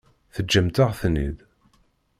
Teǧǧamt-aɣ-ten-id.